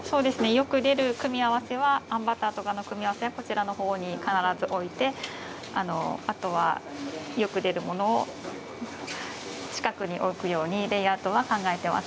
よく出る組み合わせはあんバターとかの組み合わせは必ずこちらの方に置いてあとはよく出るものを近くに置くようにレイアウトを考えています。